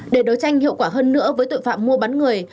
để đấu tranh hiệu quả hơn nữa với tội phạm mua bán người